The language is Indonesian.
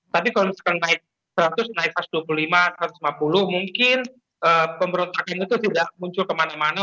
tapi kalau misalkan naik seratus naik kelas dua puluh lima satu ratus lima puluh mungkin pemberontakan itu tidak muncul kemana mana